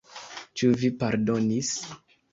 Ĉu vi pardonis?